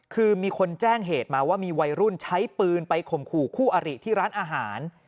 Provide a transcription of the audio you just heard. คือมีคนแจ้งเหตุมาว่ามีวัยรุ่นใช้ปืนไปข่มขู่คู่อริที่ร้านอาหาร